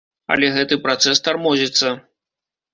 Але гэты працэс тармозіцца.